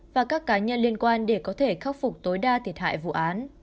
và các cá nhân liên quan để có thể khắc phục tối đa thiệt hại vụ án